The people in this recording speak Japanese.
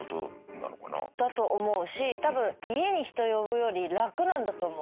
だと思うし多分家に人呼ぶより楽なんだと思う。